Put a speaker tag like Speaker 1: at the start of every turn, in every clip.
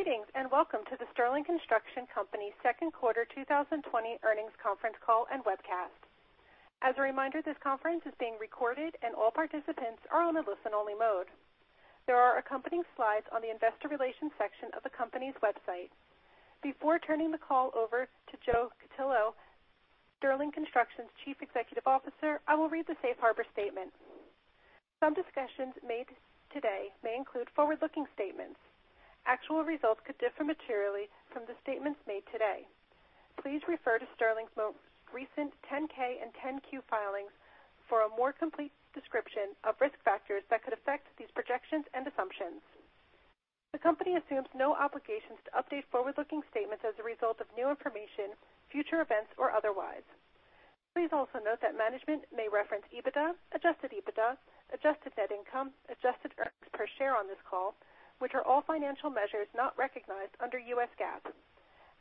Speaker 1: Greetings and welcome to the Sterling Construction Company's second quarter 2020 earnings conference call and webcast. As a reminder, this conference is being recorded and all participants are on a listen-only mode. There are accompanying slides on the Investor Relations section of the company's website. Before turning the call over to Joe Cutillo, Sterling Construction's Chief Executive Officer, I will read the Safe Harbor Statement. Some discussions made today may include Forward-Looking Statements. Actual results could differ materially from the statements made today. Please refer to Sterling's most recent 10-K and 10-Q filings for a more complete description of risk factors that could affect these projections and assumptions. The company assumes no obligations to update Forward-Looking Statements as a result of New Information, Future Events, or otherwise. Please also note that management may reference EBITDA, Adjusted EBITDA, Adjusted Net Income, Adjusted Earnings per share on this call, which are all Financial Measures not recognized under U.S. GAAP.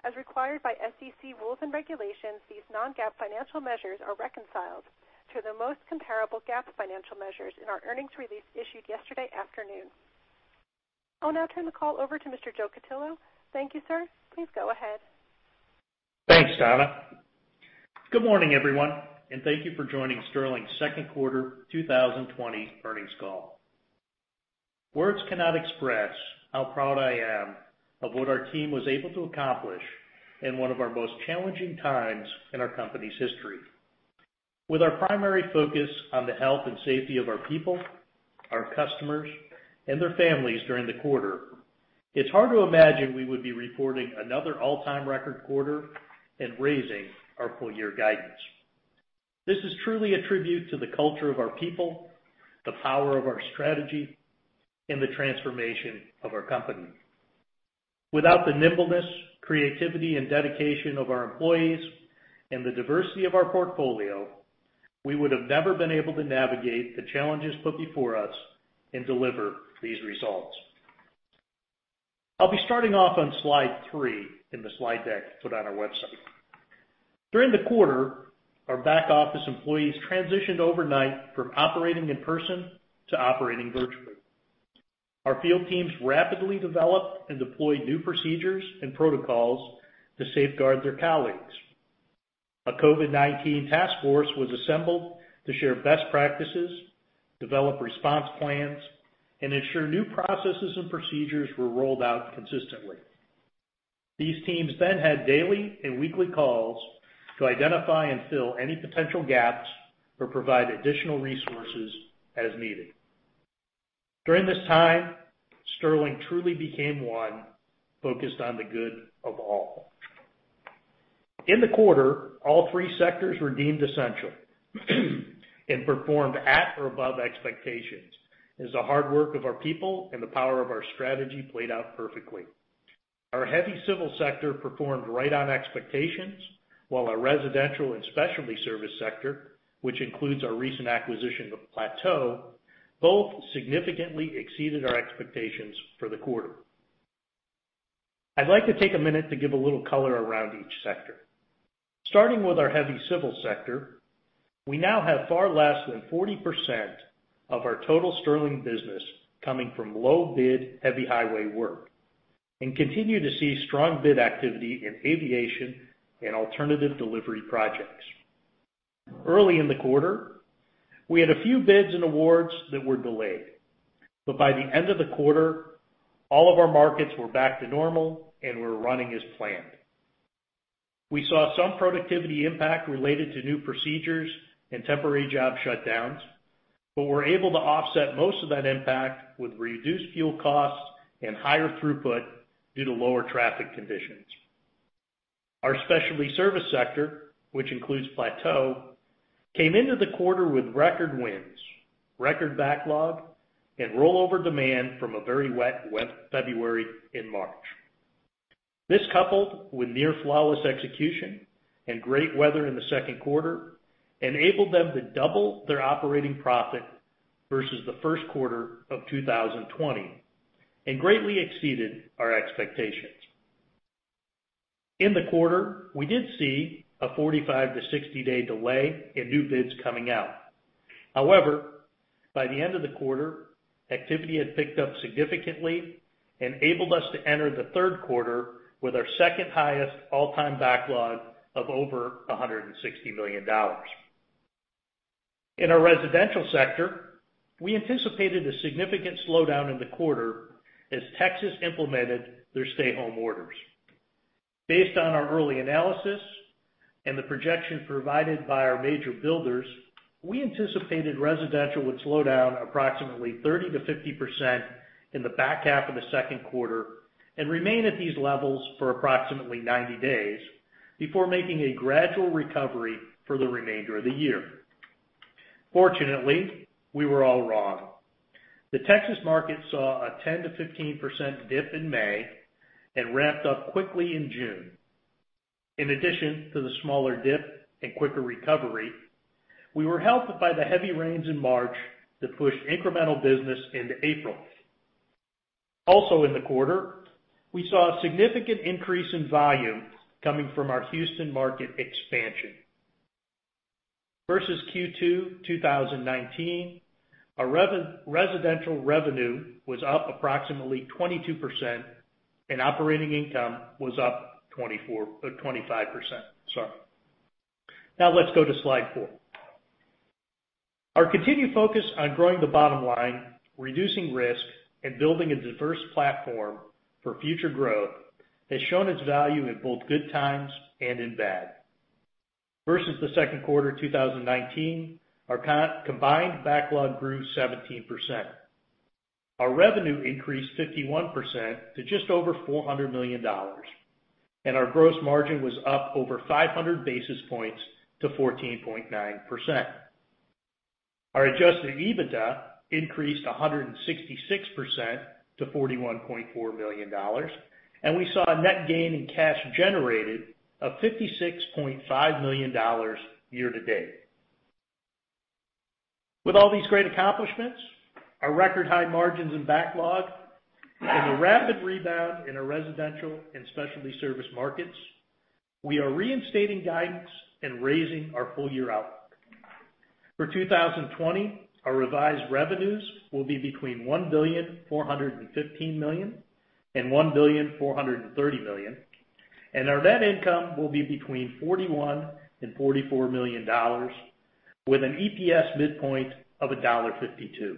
Speaker 1: As required by SEC Rules and Regulations, these non-GAAP Financial Measures are reconciled to the most comparable GAAP Financial Measures in our earnings release issued yesterday afternoon. I'll now turn the call over to Mr. Joe Cutillo. Thank you, sir. Please go ahead.
Speaker 2: Thanks, Donna. Good morning, everyone, and thank you for joining Sterling's second quarter 2020 earnings call. Words cannot express how proud I am of what our team was able to accomplish in one of our most challenging times in our company's history. With our primary focus on the Health and Safety of our people, our customers, and their families during the quarter, it's hard to imagine we would be reporting another all-time record quarter and raising our full-year guidance. This is truly a tribute to the culture of our people, the power of our strategy, and the transformation of our company. Without the nimbleness, creativity, and dedication of our employees, and the diversity of our portfolio, we would have never been able to navigate the challenges put before us and deliver these results. I'll be starting off on slide three in the slide deck put on our website. During the quarter, our back office employees transitioned overnight from operating in person to operating virtually. Our field teams rapidly developed and deployed new procedures and protocols to safeguard their colleagues. A COVID-19 task force was assembled to share best practices, develop response plans, and ensure new Processes and Procedures were rolled out consistently. These teams then had daily and weekly calls to identify and fill any potential Gaps or provide additional Resources as needed. During this time, Sterling truly became one focused on the good of all. In the quarter, all three sectors were deemed essential and performed at or above expectations as the hard work of our people and the power of our strategy played out perfectly. Our Heavy Civil Sector performed right on expectations, while our Residential and Specialty Service Sector, which includes our recent acquisition of Plateau, both significantly exceeded our expectations for the quarter. I'd like to take a minute to give a little color around each sector. Starting with our Heavy Civil Sector, we now have far less than 40% of our total Sterling Business coming from low-bid Heavy Highway Work and continue to see strong bid activity in Aviation and alternative Delivery projects. Early in the quarter, we had a few bids and awards that were delayed, but by the end of the quarter, all of our markets were back to normal and were running as planned. We saw some productivity impact related to new procedures and temporary job shutdowns, but were able to offset most of that impact with reduced Fuel Costs and higher throughput due to lower Traffic Conditions. Our Specialty Service Sector, which includes Plateau, came into the quarter with record wins, record Backlog, and rollover demand from a very wet February and March. This, coupled with near-flawless execution and great weather in the second quarter, enabled them to double their operating profit versus the first quarter of 2020 and greatly exceeded our expectations. In the quarter, we did see a 45-60 day delay in new bids coming out. However, by the end of the quarter, activity had picked up significantly and enabled us to enter the third quarter with our second-highest all-time Backlog of over $160 million. In our Residential Sector, we anticipated a significant slowdown in the quarter as Texas implemented their stay-home orders. Based on our early analysis and the projection provided by our major builders, we anticipated Residential would slow down approximately 30-50% in the back half of the second quarter and remain at these levels for approximately 90 days before making a gradual recovery for the remainder of the year. Fortunately, we were all wrong. The Texas market saw a 10-15% dip in May and ramped up quickly in June. In addition to the smaller dip and quicker recovery, we were helped by the heavy rains in March that pushed incremental business into April. Also in the quarter, we saw a significant increase in volume coming from our Houston Market expansion. Versus Q2 2019, our Residential Revenue was up approximately 22% and operating income was up 25%. Now let's go to slide four. Our continued focus on growing the bottom line, reducing risk, and building a diverse platform for Future Growth has shown its value in both good times and in bad. Versus the second quarter 2019, our combined Backlog grew 17%. Our Revenue increased 51% to just over $400 million, and our Gross Margin was up over 500 basis points to 14.9%. Our Adjusted EBITDA increased 166% to $41.4 million, and we saw a Net gain in cash generated of $56.5 million year to date. With all these great accomplishments, our record-high Margins and Backlog, and the rapid rebound in our Residential and Specialty Service Markets, we are reinstating guidance and raising our full-year outlook. For 2020, our Revised Revenues will be between $1,415,000,000 and $1,430,000,000, and our Net Income will be between $41 million and $44 million, with an EPS midpoint of $1.52.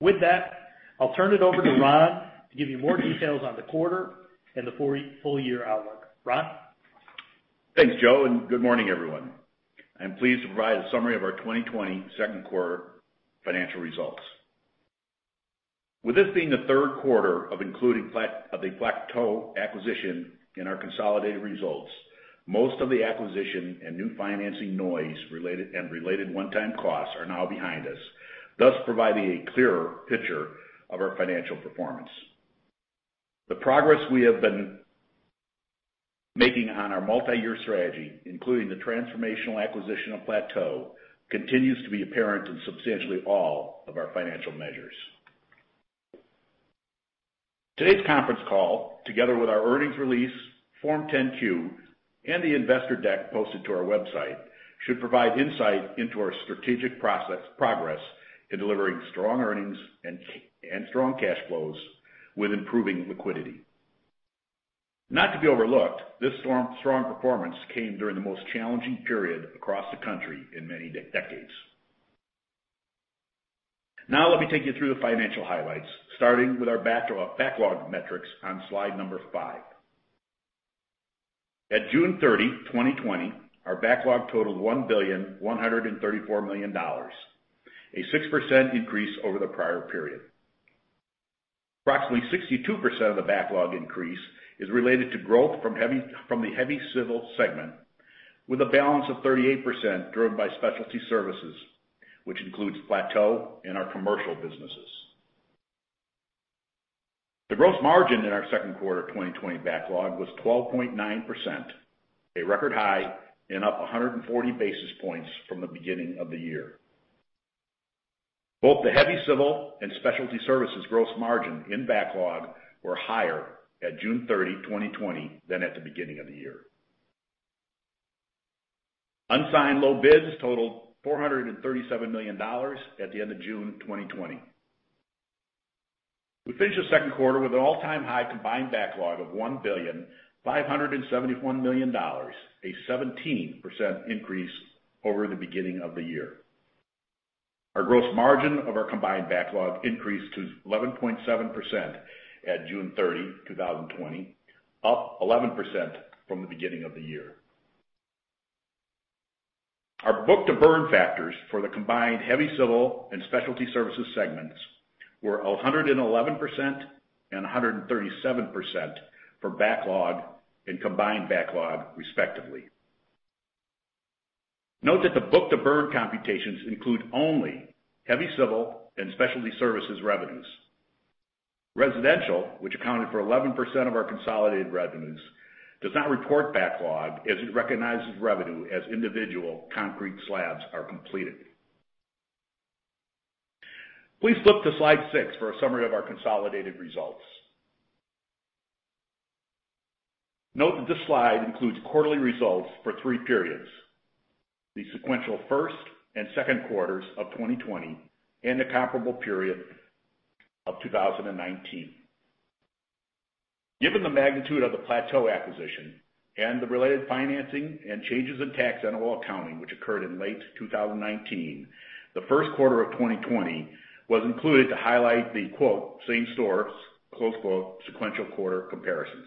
Speaker 2: With that, I'll turn it over to Ron to give you more details on the quarter and the full-year outlook. Ron?
Speaker 3: Thanks, Joe, and good morning, everyone. I'm pleased to provide a summary of our 2020 second quarter Financial Results. With this being the third quarter of including the Plateau acquisition in our consolidated results, most of the Acquisition and new Financing noise and related one-time costs are now behind us, thus providing a clearer picture of our Financial performance. The progress we have been making on our multi-year Strategy, including the Transformational Acquisition of Plateau, continues to be apparent in substantially all of our Financial Measures. Today's Conference Call, together with our Earnings Release, Form 10-Q, and the Investor deck posted to our website, should provide insight into our Strategic progress in delivering strong Earnings and strong Cash flows with improving Liquidity. Not to be overlooked, this strong performance came during the most challenging period across the country in many decades. Now let me take you through the Financial highlights, starting with our Backlog metrics on slide number five. At June 30, 2020, our Backlog totaled $1,134 million, a 6% increase over the prior period. Approximately 62% of the Backlog increase is related to growth from the Heavy Civil segment, with a balance of 38% driven by Specialty Services, which includes Plateau and our commercial businesses. The Gross Margin in our second quarter 2020 Backlog was 12.9%, a record high and up 140 basis points from the beginning of the year. Both the Heavy Civil and Specialty Services Gross Margin in Backlog were higher at June 30, 2020, than at the beginning of the year. Unsigned low bids totaled $437 million at the end of June 2020. We finished the second quarter with an all-time high combined Backlog of $1,571 million, a 17% increase over the beginning of the year. Our Gross Margin of our combined Backlog increased to 11.7% at June 30, 2020, up 11% from the beginning of the year. Our book-to-burn factors for the combined Heavy Civil and Specialty Services segments were 111% and 137% for Backlog and combined Backlog, respectively. Note that the book-to-burn computations include only Heavy Civil and Specialty Services Revenues. Residential, which accounted for 11% of our consolidated Revenues, does not report Backlog as it recognizes Revenue as individual Concrete Slabs are completed. Please flip to slide six for a summary of our consolidated Results. Note that this slide includes quarterly results for three periods: the sequential first and second quarters of 2020 and the comparable period of 2019. Given the magnitude of the Plateau acquisition and the related Financing and changes in tax enterable accounting, which occurred in late 2019, the first quarter of 2020 was included to highlight the "same stores," "sequential quarter comparisons."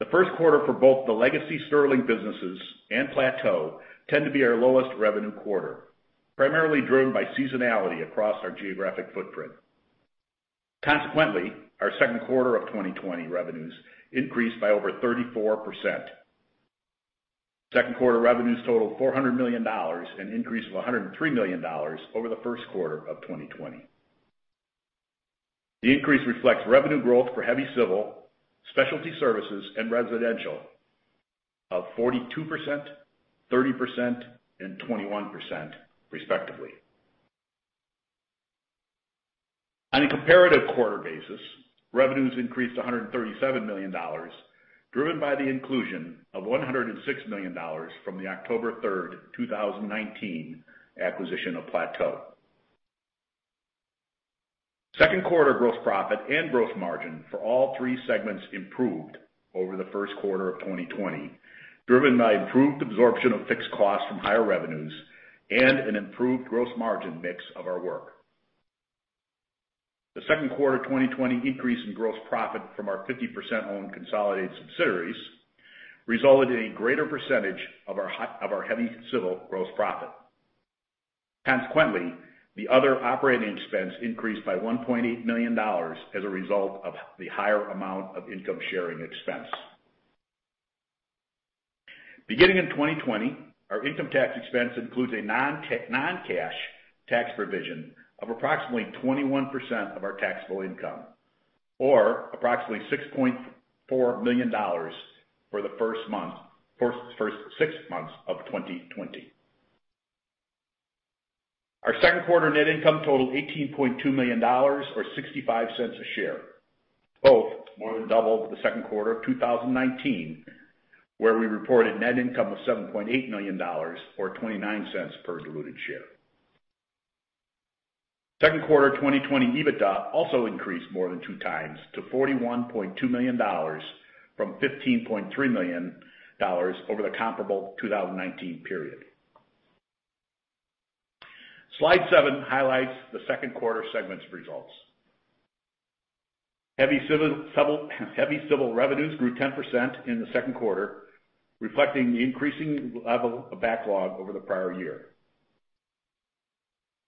Speaker 3: The first quarter for both the Legacy Sterling Businesses and Plateau tended to be our lowest Revenue quarter, primarily driven by seasonality across our geographic footprint. Consequently, our second quarter of 2020 Revenues increased by over 34%. Second quarter Revenues totaled $400 million and an increase of $103 million over the first quarter of 2020. The increase reflects Revenue Growth for Heavy Civil, Specialty Services, and Residential of 42%, 30%, and 21%, respectively. On a comparative quarter basis, Revenues increased $137 million, driven by the inclusion of $106 million from the October 3, 2019, acquisition of Plateau. Second quarter Gross Profit and Gross Margin for all three segments improved over the first quarter of 2020, driven by improved absorption of Fixed Costs from higher Revenues and an improved Gross Margin mix of our work. The second quarter 2020 increase in Gross Profit from our 50% owned consolidated subsidiaries resulted in a greater percentage of our Heavy Civil Gross Profit. Consequently, the other Operating Expense increased by $1.8 million as a result of the higher amount of Income Sharing expense. Beginning in 2020, our Income Tax expense includes a non-cash Tax provision of approximately 21% of our Taxable Income, or approximately $6.4 million for the first six months of 2020. Our second quarter Net Income totaled $18.2 million, or $0.65 a share, both more than double the second quarter of 2019, where we reported Net Income of $7.8 million, or $0.29 per diluted share. Second quarter 2020 EBITDA also increased more than two times to $41.2 million from $15.3 million over the comparable 2019 period. Slide seven highlights the second quarter segments results. Heavy Civil Revenues grew 10% in the second quarter, reflecting the increasing level of Backlog over the prior year.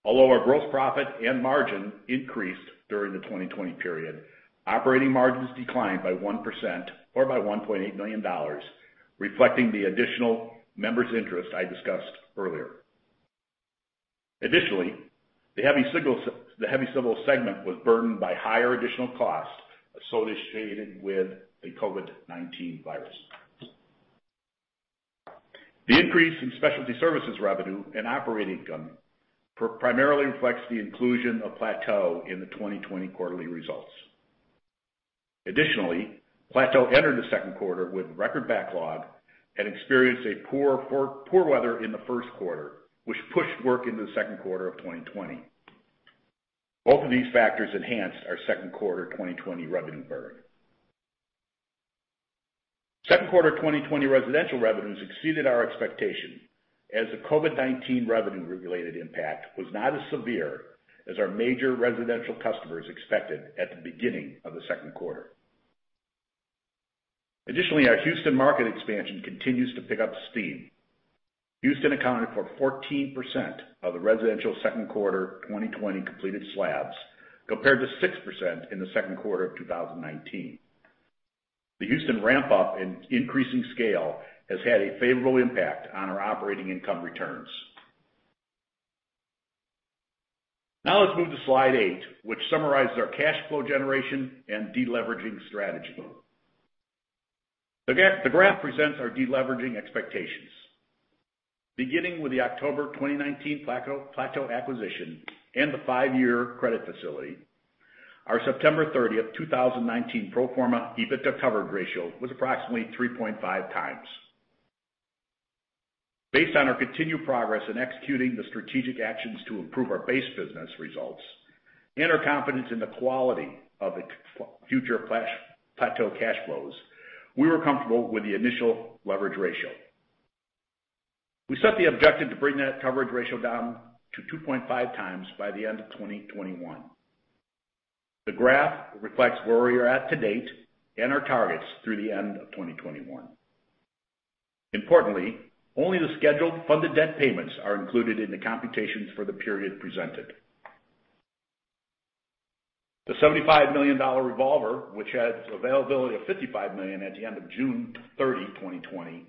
Speaker 3: Although our Gross Profit and Margin increased during the 2020 period, Operating Margins declined by 1% or by $1.8 million, reflecting the additional member's interest I discussed earlier. Additionally, the Heavy Civil segment was burdened by higher additional costs associated with the COVID-19 virus. The increase in Specialty Services Revenue and operating income primarily reflects the inclusion of Plateau in the 2020 quarterly results. Additionally, Plateau entered the second quarter with record Backlog and experienced poor weather in the first quarter, which pushed work into the second quarter of 2020. Both of these factors enhanced our second quarter 2020 Revenue burden. Second quarter 2020 Residential Revenues exceeded our expectation as the COVID-19 Revenue-related impact was not as severe as our major Residential customers expected at the beginning of the second quarter. Additionally, our Houston Market expansion continues to pick up steam. Houston accounted for 14% of the Residential second quarter 2020 completed slabs, compared to 6% in the second quarter of 2019. The Houston ramp-up and increasing scale has had a favorable impact on our Operating Income returns. Now let's move to slide eight, which summarizes our Cash flow generation and Deleveraging Strategy. The graph presents our Deleveraging expectations. Beginning with the October 2019 Plateau acquisition and the five-year credit facility, our September 30, 2019, pro forma EBITDA Coverage Ratio was approximately 3.5 times. Based on our continued progress in executing the Strategic Actions to improve our base business results and our confidence in the quality of the future Plateau Cash flows, we were comfortable with the initial Leverage ratio. We set the objective to bring that coverage ratio down to 2.5 times by the end of 2021. The graph reflects where we are at to date and our targets through the end of 2021. Importantly, only the scheduled funded debt payments are included in the computations for the period presented. The $75 million revolver, which has availability of $55 million at the end of June 30, 2020,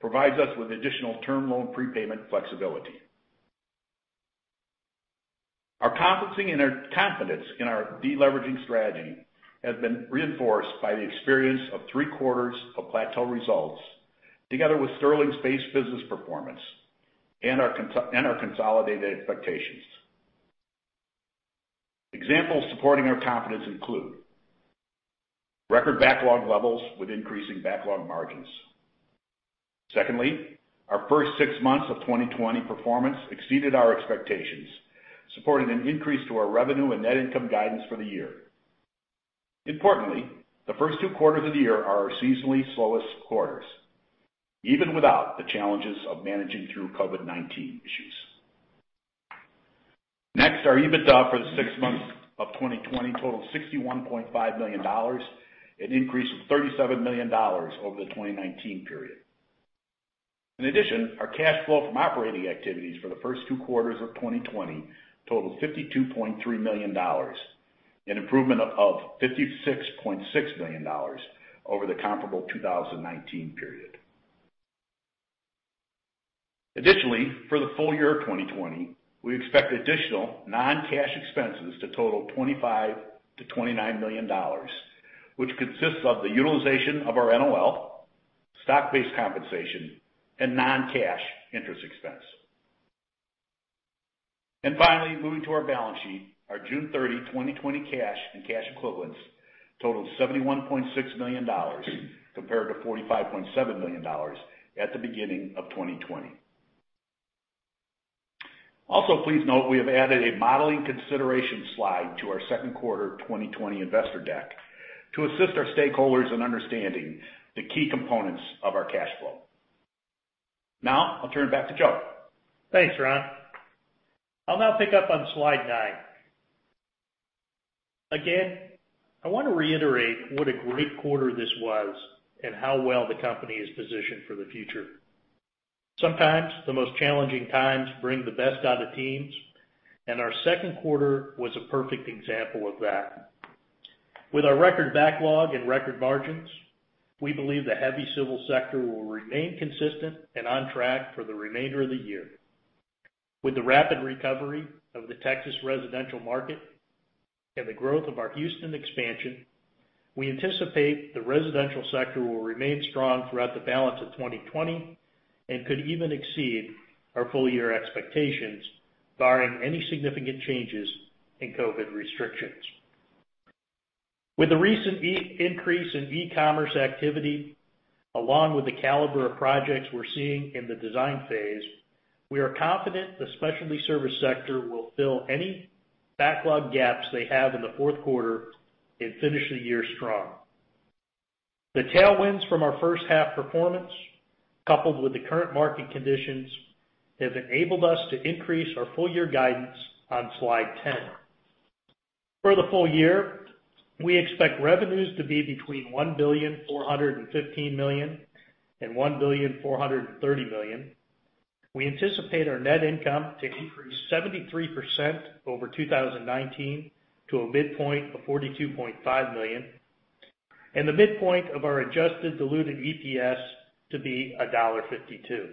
Speaker 3: provides us with additional term loan prepayment flexibility. Our confidence in our Deleveraging Strategy has been reinforced by the experience of three quarters of Plateau results, together with Sterling's base business performance and our consolidated expectations. Examples supporting our confidence include record Backlog levels with increasing Backlog margins. Secondly, our first six months of 2020 performance exceeded our expectations, supporting an increase to our Revenue and Net Income guidance for the year. Importantly, the first two quarters of the year are our seasonally slowest quarters, even without the challenges of managing through COVID-19 issues. Next, our EBITDA for the six months of 2020 totaled $61.5 million, an increase of $37 million over the 2019 period. In addition, our Cash flow from Operating Activities for the first two quarters of 2020 totaled $52.3 million, an improvement of $56.6 million over the comparable 2019 period. Additionally, for the full year of 2020, we expect additional non-Cash expenses to total $25-$29 million, which consists of the utilization of our NOL, stock-based compensation, and non-Cash Interest expense. Finally, moving to our balance sheet, our June 30, 2020, Cash and Cash equivalents totaled $71.6 million, compared to $45.7 million at the beginning of 2020. Also, please note we have added a modeling consideration slide to our second quarter 2020 investor deck to assist our stakeholders in understanding the key components of our Cash flow. Now I'll turn it back to Joe.
Speaker 2: Thanks, Ron. I'll now pick up on slide nine. Again, I want to reiterate what a great quarter this was and how well the company is positioned for the future. Sometimes the most challenging times bring the best out of teams, and our second quarter was a perfect example of that. With our record Backlog and record margins, we believe the Heavy Civil sector will remain consistent and on track for the remainder of the year. With the rapid recovery of the Texas Residential Market and the growth of our Houston expansion, we anticipate the Residential sector will remain strong throughout the balance of 2020 and could even exceed our full-year expectations barring any significant changes in COVID restrictions. With the recent increase in E-commerce activity, along with the caliber of projects we're seeing in the design phase, we are confident the Specialty Service sector will fill any Backlog gaps they have in the fourth quarter and finish the year strong. The tailwinds from our first-half performance, coupled with the current market conditions, have enabled us to increase our full-year guidance on slide 10. For the full year, we expect Revenues to be between $1,415 million and $1,430 million. We anticipate our Net Income to increase 73% over 2019 to a midpoint of $42.5 million, and the midpoint of our Adjusted diluted EPS to be $1.52.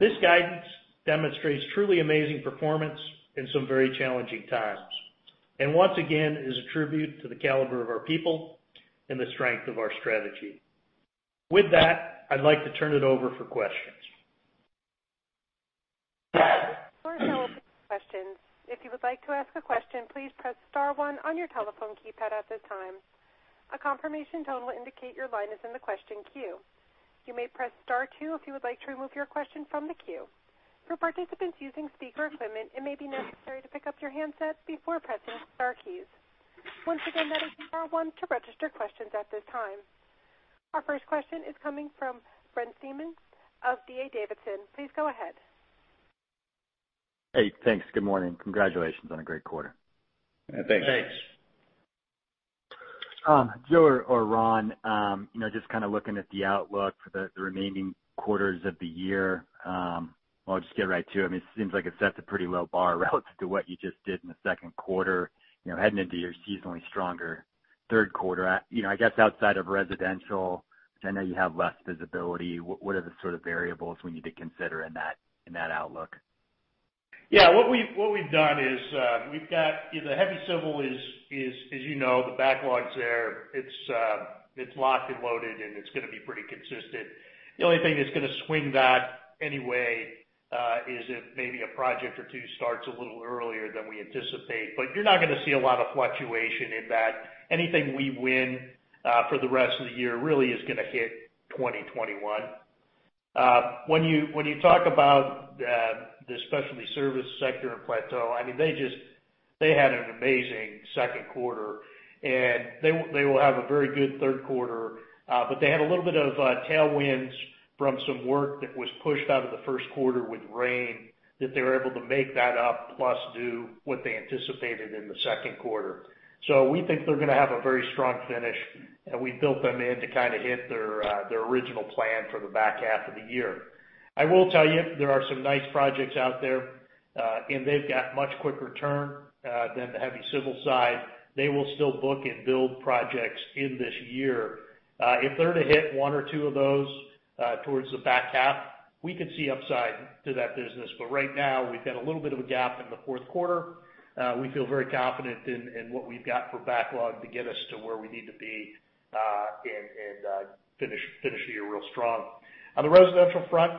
Speaker 2: This guidance demonstrates truly amazing performance in some very challenging times, and once again is a tribute to the caliber of our people and the strength of our strategy. With that, I'd like to turn it over for questions.
Speaker 1: Of course, there will be questions. If you would like to ask a question, please press star one on your telephone keypad at this time. A confirmation tone will indicate your line is in the question queue. You may press star two if you would like to remove your question from the queue. For participants using speaker equipment, it may be necessary to pick up your handset before pressing star keys. Once again, that is star one to register questions at this time. Our first question is coming from Brent Thielman of D.A. Davidson. Please go ahead.
Speaker 4: Hey, thanks. Good morning. Congratulations on a great quarter.
Speaker 2: Thanks.
Speaker 3: Thanks.
Speaker 4: Joe or Ron, just kind of looking at the outlook for the remaining quarters of the year, I'll just get right to it. I mean, it seems like it sets a pretty low bar relative to what you just did in the second quarter, heading into your seasonally stronger third quarter. I guess outside of Residential, which I know you have less visibility, what are the sort of variables we need to consider in that outlook?
Speaker 2: Yeah. What we've done is we've got the Heavy Civil, as you know, the Backlog's there. It's locked and loaded, and it's going to be pretty consistent. The only thing that's going to swing that anyway is if maybe a project or two starts a little earlier than we anticipate. You are not going to see a lot of fluctuation in that. Anything we win for the rest of the year really is going to hit 2021. When you talk about the Specialty Service sector in Plateau, I mean, they had an amazing second quarter, and they will have a very good third quarter. They had a little bit of tailwinds from some work that was pushed out of the first quarter with rain that they were able to make that up, plus do what they anticipated in the second quarter. We think they are going to have a very strong finish, and we built them in to kind of hit their original plan for the back half of the year. I will tell you, there are some nice projects out there, and they have got much quicker turn than the Heavy Civil side. They will still book and build projects in this year. If they're to hit one or two of those towards the back half, we could see upside to that business. Right now, we've got a little bit of a gap in the fourth quarter. We feel very confident in what we've got for Backlog to get us to where we need to be and finish the year real strong. On the Residential front,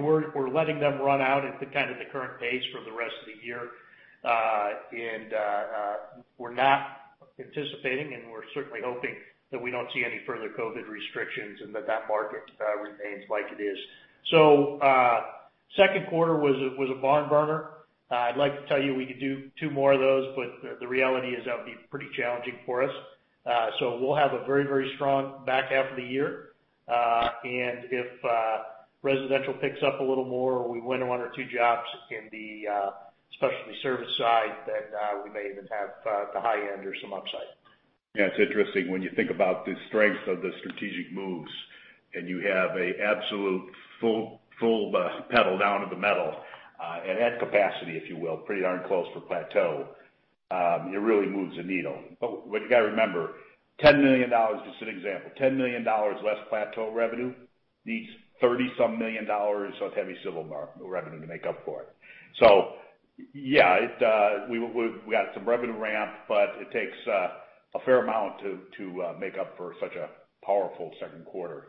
Speaker 2: we're letting them run out at kind of the current pace for the rest of the year. We're not anticipating, and we're certainly hoping that we don't see any further COVID restrictions and that that market remains like it is. Second quarter was a barn burner. I'd like to tell you we could do two more of those, but the reality is that would be pretty challenging for us. We'll have a very, very strong back half of the year. If Residential picks up a little more or we win one or two jobs in the Specialty Service side, then we may even have the high end or some upside.
Speaker 3: Yeah. It is interesting when you think about the strength of the strategic moves and you have an absolute full pedal down to the metal and at capacity, if you will, pretty darn close for Plateau, it really moves the needle. What you have to remember, $10 million, just an example, $10 million less Plateau Revenue needs $30-some million of Heavy Civil Revenue to make up for it. Yeah, we have some Revenue ramp, but it takes a fair amount to make up for such a powerful second quarter.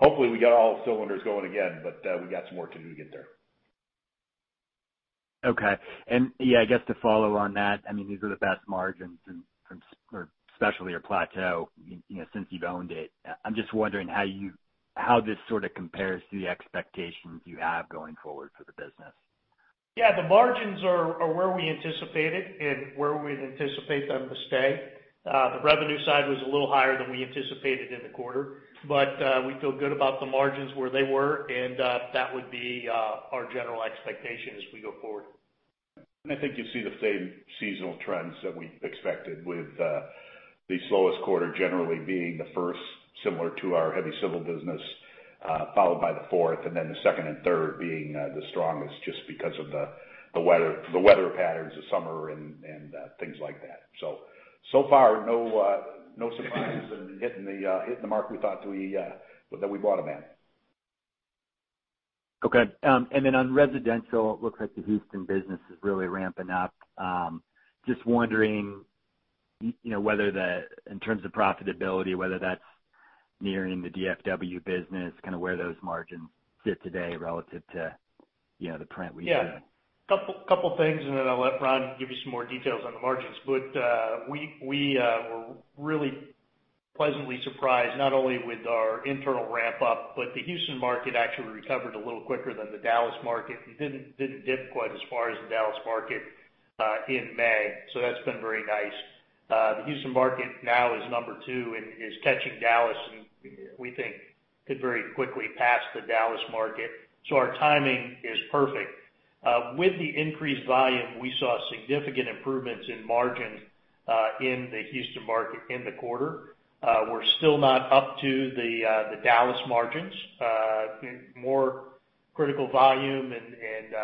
Speaker 3: Hopefully we have all cylinders going again, but we have some work to do to get there.
Speaker 4: Okay. Yeah, I guess to follow on that, I mean, these are the best margins for specialty or Plateau since you've owned it. I'm just wondering how this sort of compares to the expectations you have going forward for the business.
Speaker 2: Yeah. The Margins are where we anticipated and where we anticipate them to stay. The Revenue side was a little higher than we anticipated in the quarter, but we feel good about the Margins where they were, and that would be our general expectation as we go forward.
Speaker 3: I think you see the same seasonal trends that we expected, with the slowest quarter generally being the first, similar to our Heavy Civil Business, followed by the fourth, and then the second and third being the strongest just because of the weather patterns, the summer, and things like that. So far, no surprises in hitting the mark we thought that we brought them in.
Speaker 4: Okay. Then on Residential, it looks like the Houston Business is really ramping up. Just wondering whether, in terms of profitability, whether that's nearing the DFW Business, kind of where those Margins sit today relative to the print we've seen.
Speaker 2: Yeah. A couple of things, then I'll let Ron give you some more details on the margins. We were really pleasantly surprised, not only with our internal ramp-up, but the Houston Market actually recovered a little quicker than the Dallas Market. We did not dip quite as far as the Dallas Market in May, so that's been very nice. The Houston Market now is number two and is catching Dallas, and we think could very quickly pass the Dallas Market. Our timing is perfect. With the increased volume, we saw significant improvements in margins in the Houston Market in the quarter. We're still not up to the Dallas Margins. More critical volume and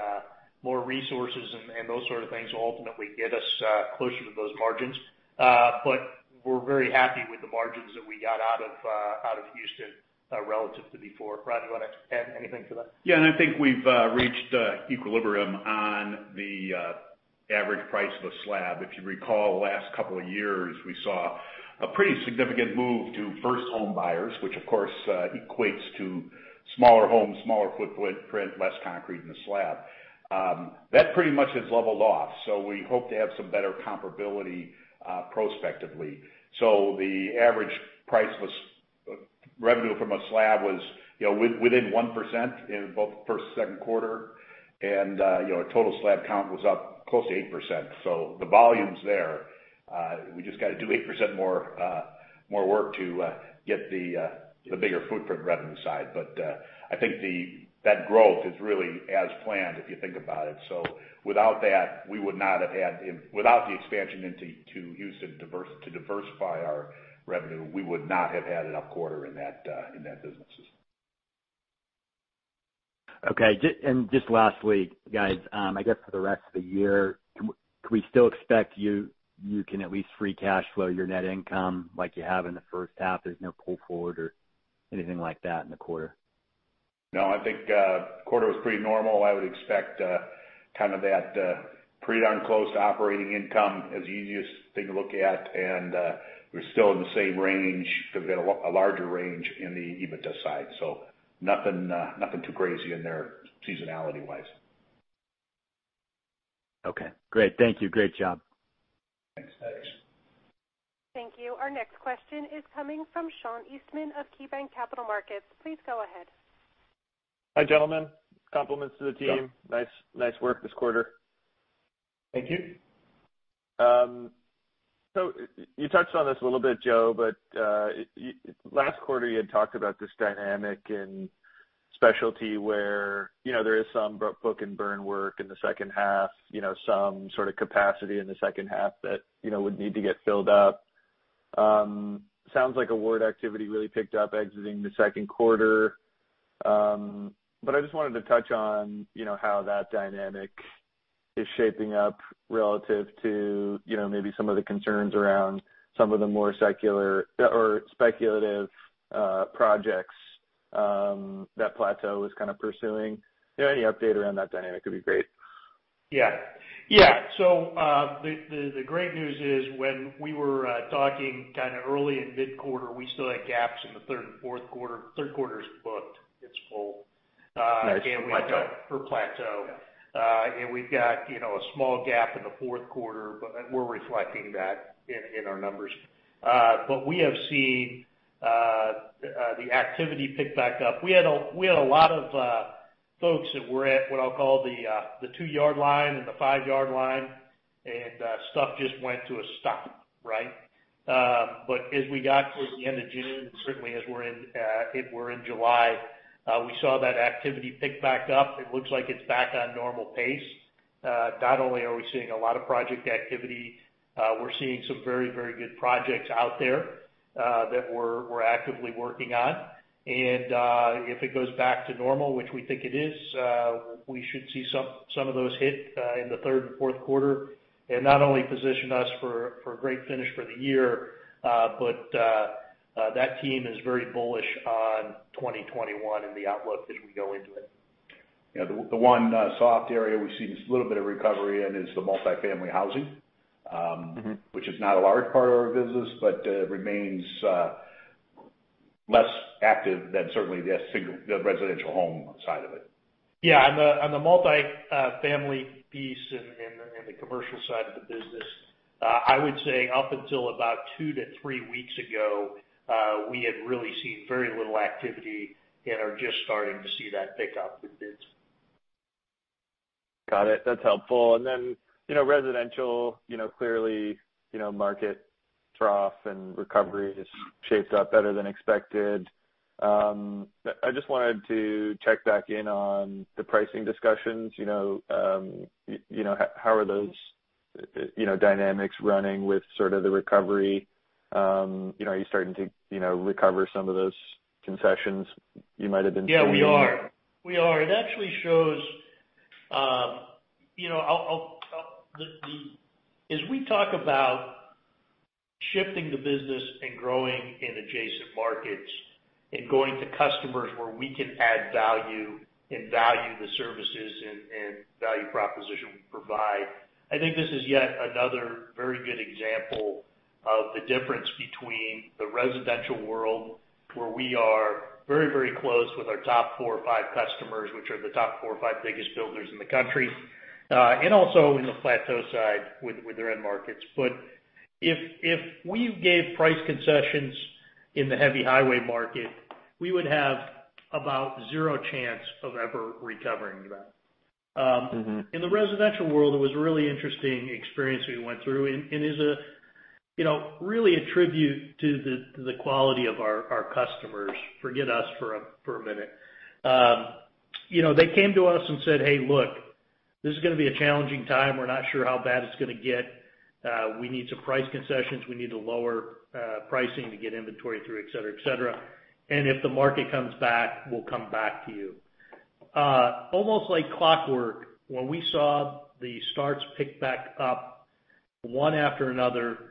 Speaker 2: more resources and those sort of things will ultimately get us closer to those margins. We're very happy with the margins that we got out of Houston relative to before. Ron, do you want to add anything to that?
Speaker 3: Yeah. I think we've reached equilibrium on the average price of a slab. If you recall, the last couple of years, we saw a pretty significant move to first home buyers, which, of course, equates to smaller homes, smaller footprint, less Concrete in the Slab. That pretty much has leveled off. We hope to have some better comparability prospectively. The average price of a Revenue from a Slab was within 1% in both the first and second quarter, and our Total Slab Count was up close to 8%. The volumes there, we just got to do 8% more work to get the bigger footprint Revenue side. I think that growth is really as planned if you think about it. Without that, we would not have had, without the expansion into Houston to diversify our Revenue, we would not have had an up quarter in that business.
Speaker 4: Okay. Just lastly, guys, I guess for the rest of the year, can we still expect you can at least free cash flow your Net Income like you have in the first half? There's no pull forward or anything like that in the quarter?
Speaker 3: No. I think quarter was pretty normal. I would expect kind of that pretty darn close to operating income is the easiest thing to look at. We are still in the same range, but we have got a larger range in the EBITDA side. Nothing too crazy in there seasonality-wise.
Speaker 4: Okay. Great. Thank you. Great job.
Speaker 3: Thanks.
Speaker 2: Thanks.
Speaker 1: Thank you. Our next question is coming from Sean Eastman of KeyBanc Capital Markets. Please go ahead.
Speaker 5: Hi, gentlemen. Compliments to the team. Nice work this quarter.
Speaker 3: Thank you.
Speaker 5: You touched on this a little bit, Joe, but last quarter, you had talked about this dynamic in specialty where there is some book-to-burn work in the second half, some sort of capacity in the second half that would need to get filled up. Sounds like award activity really picked up exiting the second quarter. I just wanted to touch on how that dynamic is shaping up relative to maybe some of the concerns around some of the more speculative projects that Plateau is kind of pursuing. Any update around that dynamic would be great.
Speaker 2: Yeah. The great news is when we were talking kind of early in mid-quarter, we still had gaps in the third and fourth quarter. Third quarter's booked. It's full. And we've got for Plateau. And we've got a small gap in the fourth quarter, but we're reflecting that in our numbers. We have seen the activity pick back up. We had a lot of folks that were at what I'll call the two-yard line and the five-yard line, and stuff just went to a stop, right? As we got towards the end of June, and certainly as we're in July, we saw that activity pick back up. It looks like it's back on normal pace. Not only are we seeing a lot of project activity, we're seeing some very, very good projects out there that we're actively working on. If it goes back to normal, which we think it is, we should see some of those hit in the third and fourth quarter and not only position us for a great finish for the year, but that team is very bullish on 2021 and the outlook as we go into it.
Speaker 3: The one soft area we've seen a little bit of recovery in is the Multifamily Housing, which is not a large part of our business, but remains less active than certainly the Residential Home side of it.
Speaker 2: On the Multifamily piece and the commercial side of the business, I would say up until about two to three weeks ago, we had really seen very little activity and are just starting to see that pick up a bit.
Speaker 5: Got it. That's helpful. Residential, clearly market trough and recovery has shaped up better than expected. I just wanted to check back in on the pricing discussions. How are those dynamics running with sort of the recovery? Are you starting to recover some of those concessions you might have been seeing?
Speaker 2: Yeah. We are. We are. It actually shows as we talk about shifting the business and growing in adjacent markets and going to customers where we can add value and value the services and value proposition we provide. I think this is yet another very good example of the difference between the Residential world where we are very, very close with our top four or five customers, which are the top four or five biggest builders in the country, and also in the Plateau side with their end markets. If we gave price concessions in the Heavy Highway Market, we would have about zero chance of ever recovering that. In the Residential world, it was a really interesting experience we went through. It is really a tribute to the quality of our customers. Forget us for a minute. They came to us and said, "Hey, look, this is going to be a challenging time. We're not sure how bad it's going to get. We need some price concessions. We need to lower pricing to get inventory through, etc., etc. "And if the market comes back, we'll come back to you." Almost like clockwork, when we saw the starts pick back up, one after another,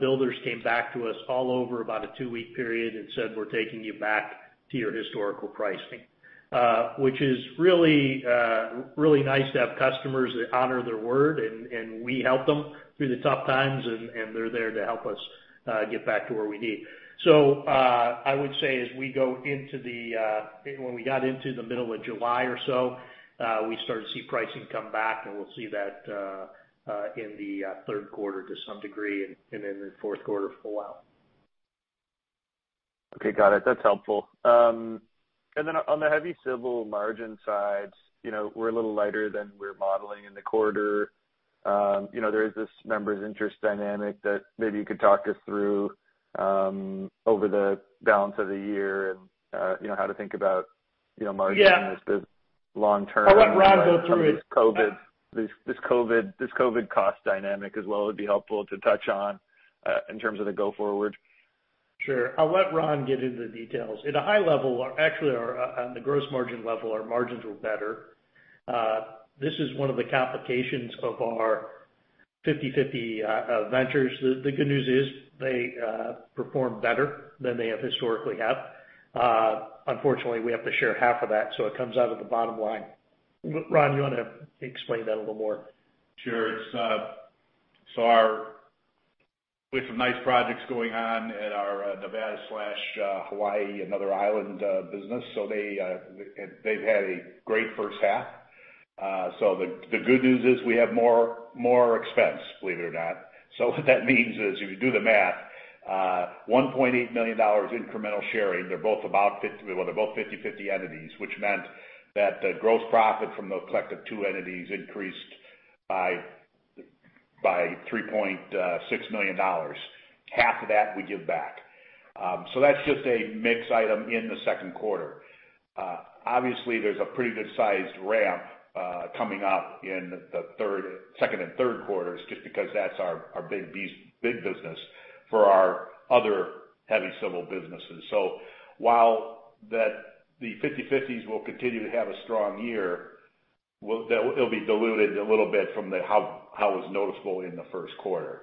Speaker 2: builders came back to us all over about a two-week period and said, "We're taking you back to your historical pricing," which is really nice to have customers that honor their word, and we help them through the tough times, and they're there to help us get back to where we need. I would say as we go into the when we got into the middle of July or so, we started to see pricing come back, and we'll see that in the third quarter to some degree and then the fourth quarter full out.
Speaker 5: Okay. Got it. That's helpful. Then on the Heavy Civil Margin side, we're a little lighter than we're modeling in the quarter. There is this members' interest dynamic that maybe you could talk us through over the balance of the year and how to think about Margins in this business long-term.
Speaker 2: I'll let Ron go through it.
Speaker 5: This COVID Cost dynamic as well would be helpful to touch on in terms of the go-forward.
Speaker 2: Sure. I'll let Ron get into the details. At a high level, actually, on the Gross Margin level, our Margins were better. This is one of the complications of our 50/50 ventures. The good news is they perform better than they have historically had. Unfortunately, we have to share half of that, so it comes out of the bottom line. Ron, you want to explain that a little more?
Speaker 3: Sure. We have some nice projects going on at our Nevada/Hawaii and other Island Business. They've had a great first half. The good news is we have more expense, believe it or not. What that means is, if you do the math, $1.8 million incremental sharing, they're both about 50, well, they're both 50/50 entities, which meant that the Gross Profit from the collective two entities increased by $3.6 million. Half of that we give back. That's just a mixed item in the second quarter. Obviously, there's a pretty good-sized ramp coming up in the second and third quarters just because that's our big business for our other Heavy Civil Businesses. While the 50/50s will continue to have a strong year, it'll be diluted a little bit from how it was noticeable in the first quarter.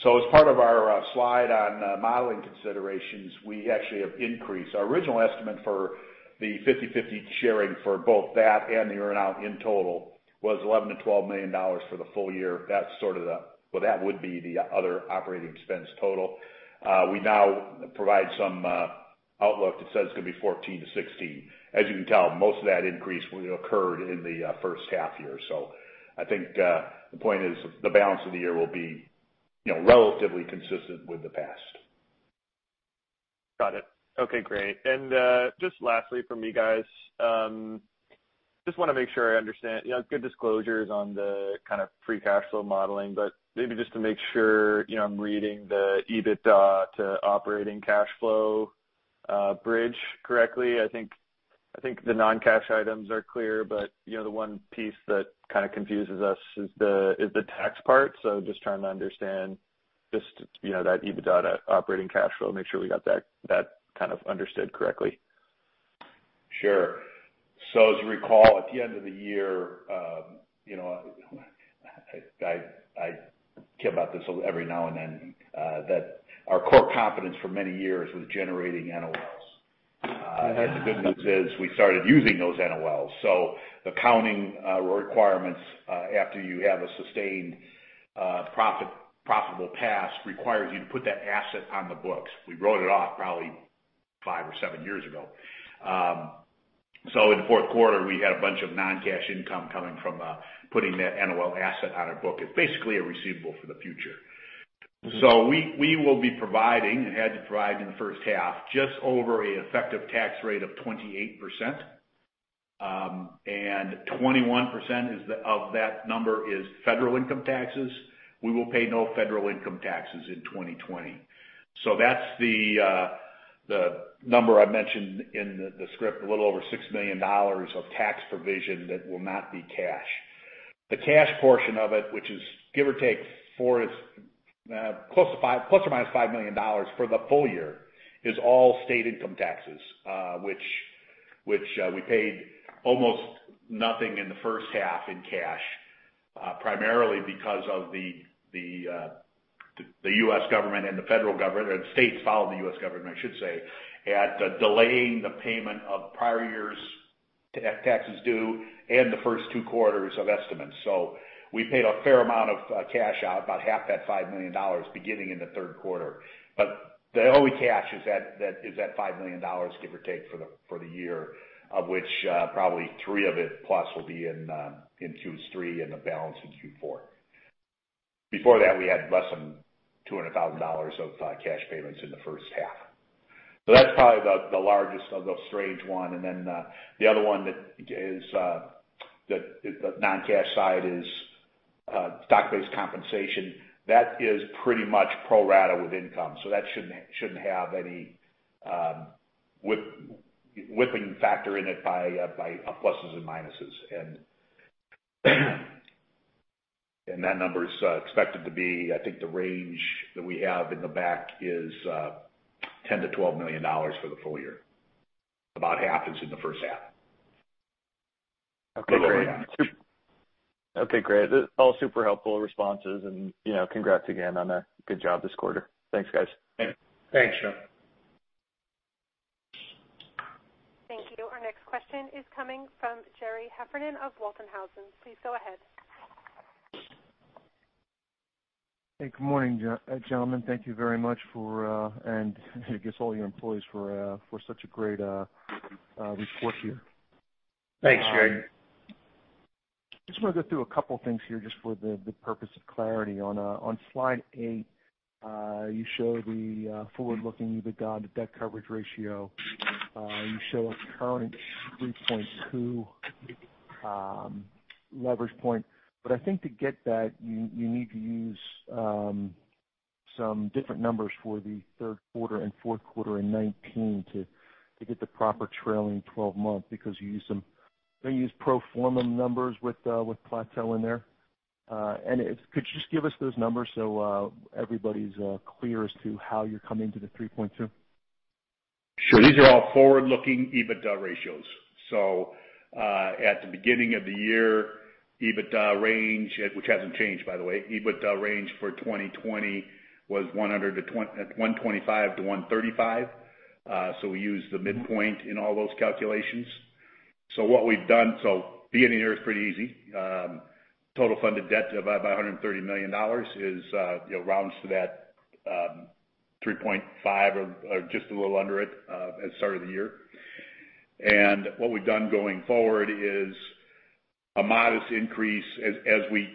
Speaker 3: As part of our slide on modeling considerations, we actually have increased. Our original estimate for the 50/50 sharing for both that and the earnout in total was $11 million-$12 million for the full year. That is sort of the, that would be the other operating expense total. We now provide some outlook that says it is going to be $14 million-$16 million. As you can tell, most of that increase occurred in the first half year. I think the point is the balance of the year will be relatively consistent with the past.
Speaker 5: Got it. Okay. Great. Just lastly from you guys, just want to make sure I understand. Good disclosures on the kind of free cash flow modeling, but maybe just to make sure I am reading the EBITDA to Operating Cash flow bridge correctly. I think the non-cash items are clear, but the one piece that kind of confuses us is the tax part. Just trying to understand just that EBITDA to operating cash flow, make sure we got that kind of understood correctly.
Speaker 3: Sure. As you recall, at the end of the year, I care about this every now and then, that our core competence for many years was generating NOLs. The good news is we started using those NOLs. The accounting requirements after you have a sustained profitable past require you to put that asset on the books. We wrote it off probably five or seven years ago. In the fourth quarter, we had a bunch of non-cash income coming from putting that NOL asset on our book. It is basically a receivable for the future. We will be providing and had to provide in the first half just over an effective Tax rate of 28%. And 21% of that number is Federal Income Taxes. We will pay no Federal Income Taxes in 2020. That is the number I mentioned in the script, a little over $6 million of tax provision that will not be cash. The cash portion of it, which is give or take close to plus or minus $5 million for the full year, is all state income taxes, which we paid almost nothing in the first half in cash, primarily because of the U.S. Government and the Federal Government, or the states followed the U.S. Government, I should say, at delaying the payment of prior year's taxes due and the first two quarters of estimates. We paid a fair amount of cash out, about half that $5 million beginning in the third quarter. The only cash is that $5 million, give or take, for the year, of which probably three of it plus will be in Q3 and the balance in Q4. Before that, we had less than $200,000 of cash payments in the first half. That is probably the largest of those strange ones. The other one that is the non-cash side is stock-based compensation. That is pretty much pro rata with income. That should not have any whipping factor in it by pluses and minuses. That number is expected to be, I think the range that we have in the back is $10 million-$12 million for the full year. About half is in the first half.
Speaker 5: Okay. Great. Okay. Great. All super helpful responses. Congrats again on a good job this quarter. Thanks, guys.
Speaker 3: Thanks.
Speaker 2: Thanks, Sean.
Speaker 1: Thank you. Our next question is coming from Gerry Heffernan of Walthausen. Please go ahead.
Speaker 6: Hey, good morning, gentlemen. Thank you very much for, and I guess, all your employees for such a great report here.
Speaker 3: Thanks, Gerry.
Speaker 6: Just want to go through a couple of things here just for the purpose of clarity. On slide eight, you show the Forward-Looking EBITDA to debt coverage ratio. You show a current 3.2 Leverage point. I think to get that, you need to use some different numbers for the third quarter and fourth quarter in 2019 to get the proper trailing 12 months because you use some pro forma numbers with Plateau in there. Could you just give us those numbers so everybody's clear as to how you're coming to the 3.2?
Speaker 3: Sure. These are all Forward-Looking EBITDA ratios. At the beginning of the year, EBITDA range, which has not changed, by the way, EBITDA range for 2020 was $125 million-$135 million. We use the midpoint in all those calculations. What we have done, at the beginning of the year is pretty easy. Total funded debt of about $130 million rounds to that 3.5 or just a little under it at the start of the year. What we have done going forward is a modest increase. As we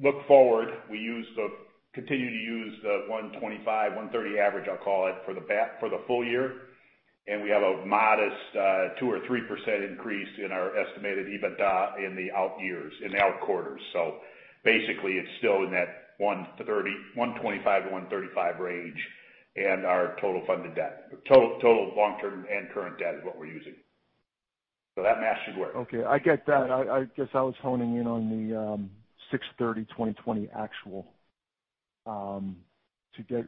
Speaker 3: look forward, we continue to use the $125 million-$130 million average, I will call it, for the full year. We have a modest 2% or 3% increase in our estimated EBITDA in the out quarters. Basically, it is still in that $125 million-$135 million range and our total funded debt. Total long-term and current debt is what we are using. That match should work.
Speaker 6: Okay. I get that. I guess I was honing in on the 6/30/2020 actual to get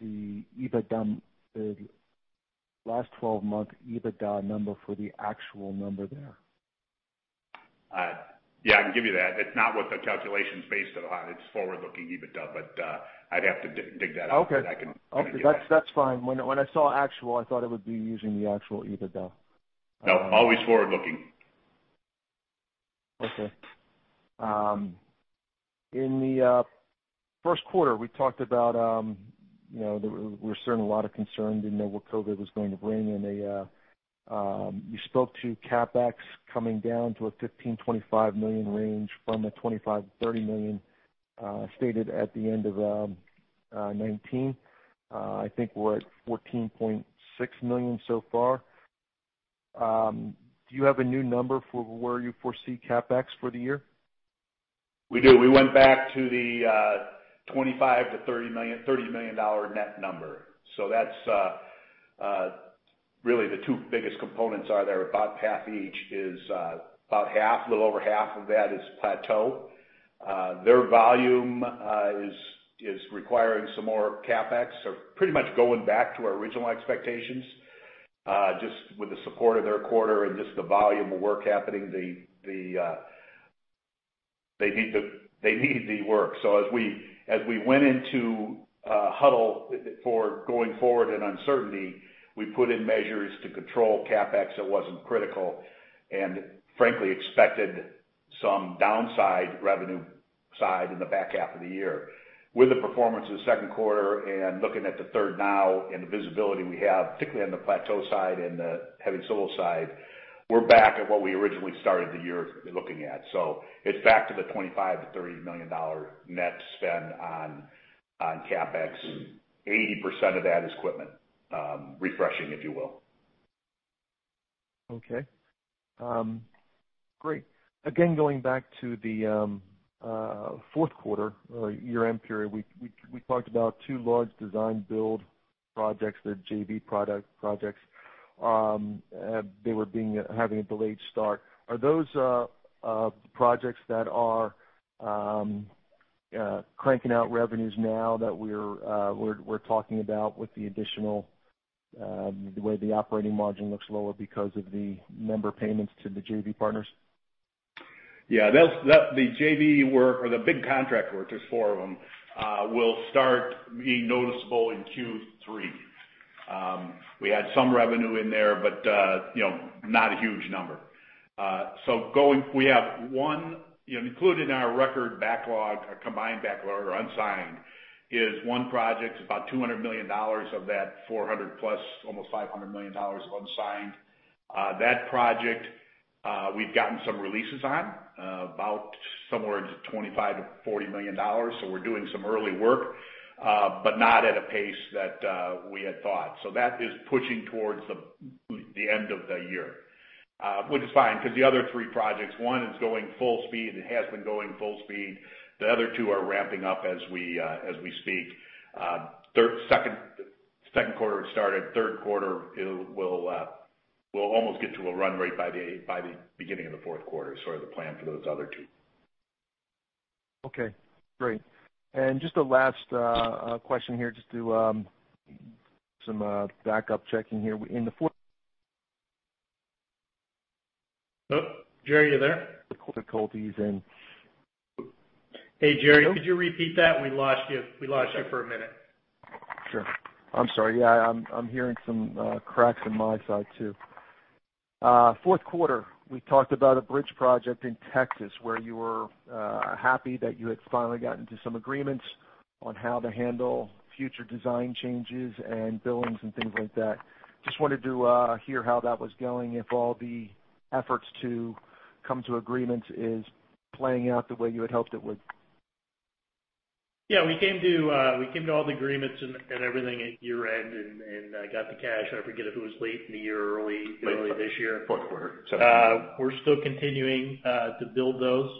Speaker 6: the last 12-month EBITDA number for the actual number there.
Speaker 3: Yeah. I can give you that. It's not what the calculation's based on. It's Forward-Looking EBITDA, but I'd have to dig that up so that I can give you that.
Speaker 6: Okay. That's fine. When I saw actual, I thought it would be using the actual EBITDA.
Speaker 3: No. Always Forward-Looking.
Speaker 6: Okay. In the first quarter, we talked about we were certainly a lot of concern, didn't know what COVID was going to bring. You spoke to CapEx coming down to a $15 million-$25 million range from a $25 million-$30 million stated at the end of 2019. I think we're at $14.6 million so far. Do you have a new number for where you foresee CapEx for the year?
Speaker 3: We do. We went back to the $25 million-$30 million Net number. The two biggest components are there. About half each is about half, a little over half of that is Plateau. Their volume is requiring some more CapEx. Pretty much going back to our original expectations just with the support of their quarter and just the volume of work happening, they need the work. As we went into huddle for going forward and uncertainty, we put in measures to control CapEx that was not critical and frankly expected some downside Revenue side in the back half of the year. With the performance of the second quarter and looking at the third now and the visibility we have, particularly on the Plateau side and the Heavy Civil side, we are back at what we originally started the year looking at. It is back to the $25 million-$30 million Net spend on CapEx. 80% of that is equipment refreshing, if you will.
Speaker 6: Okay. Great. Again, going back to the fourth quarter or year-end period, we talked about two large design build projects, the JV Projects. They were having a delayed start. Are those projects that are cranking out Revenues now that we are talking about with the additional, the way the Operating Margin looks lower because of the member payments to the JV Partners?
Speaker 3: Yeah. The JV work or the big contract work, there are four of them, will start being noticeable in Q3. We had some Revenue in there, but not a huge number. We have one included in our record Backlog, our combined Backlog or unsigned is one project. It is about $200 million of that $400 million plus, almost $500 million of unsigned. That project, we've gotten some releases on, about somewhere in the $25 million-$40 million. We're doing some early work, but not at a pace that we had thought. That is pushing towards the end of the year, which is fine because the other three projects, one is going full speed. It has been going full speed. The other two are ramping up as we speak. Second quarter had started. Third quarter, we'll almost get to a run rate by the beginning of the fourth quarter. The plan for those other two.
Speaker 6: Okay. Great. Just a last question here, just to do some backup checking here. In the fourth.
Speaker 2: Oh, Gerry, you there?
Speaker 6: Difficulties in.
Speaker 2: Hey, Gerry, could you repeat that? We lost you for a minute.
Speaker 6: Sure. I'm sorry. Yeah. I'm hearing some cracks on my side too. Fourth quarter, we talked about a bridge project in Texas where you were happy that you had finally gotten to some agreements on how to handle future design changes and billings and things like that. Just wanted to hear how that was going, if all the efforts to come to agreements is playing out the way you had hoped it would.
Speaker 2: Yeah. We came to all the agreements and everything at year-end and got the cash. I forget if it was late in the year or early this year. We're still continuing to build those.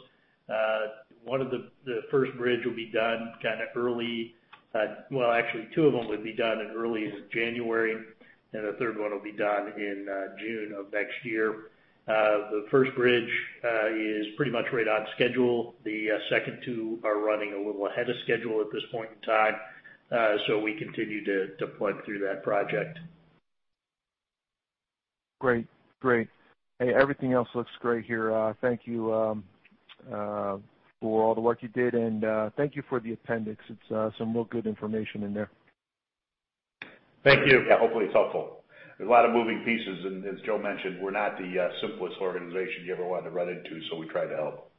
Speaker 2: One of the first bridges will be done kind of early. Actually, two of them will be done in early January, and the third one will be done in June of next year. The first bridge is pretty much right on schedule. The second two are running a little ahead of schedule at this point in time. We continue to plug through that project.
Speaker 6: Great. Great. Hey, everything else looks great here. Thank you for all the work you did, and thank you for the appendix. It's some real good information in there.
Speaker 3: Thank you. Yeah. Hopefully, it's helpful. There's a lot of moving pieces, and as Joe mentioned, we're not the simplest organization you ever wanted to run into, so we try to help.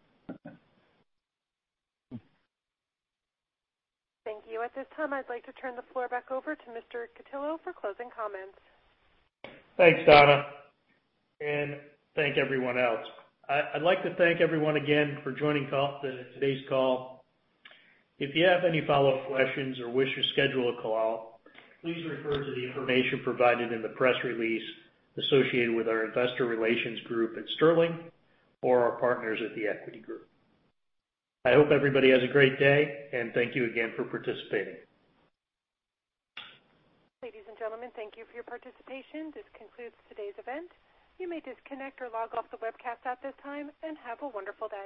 Speaker 1: Thank you. At this time, I'd like to turn the floor back over to Mr. Cutillo for closing comments.
Speaker 2: Thanks, Donna. Thank everyone else. I'd like to thank everyone again for joining today's call. If you have any follow-up questions or wish to schedule a call, please refer to the information provided in the press release associated with our investor relations group at Sterling or our partners at the equity group. I hope everybody has a great day, and thank you again for participating.
Speaker 1: Ladies and gentlemen, thank you for your participation. This concludes today's event. You may disconnect or log off the webcast at this time and have a wonderful day.